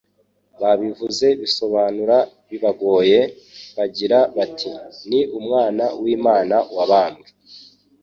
Babivuze bisobanura bibagoye, bagira bati : "Ni Umwana w'Imana wabambwe,"